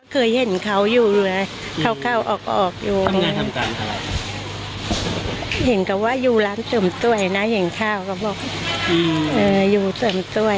เคยเห็นเขาอยู่เลยเข้าออกอยู่เห็นกับว่าอยู่ร้านเติมต้วยนะเห็นข้าวก็บอก